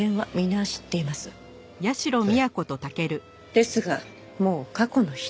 ですがもう過去の人。